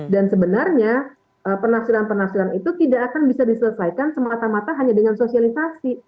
dan sebenarnya penafsiran penafsiran itu tidak akan bisa diselesaikan semata mata hanya dengan sosialisasi